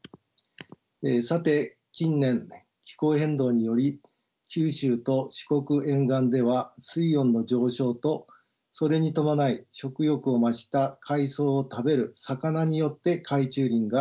さて近年気候変動により九州と四国沿岸では水温の上昇とそれに伴い食欲を増した海藻を食べる魚によって海中林が消失しています。